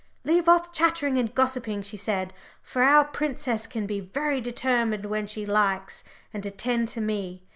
"Leave off chattering and gossiping," she said, for our princess can be very determined when she likes, "and attend to me.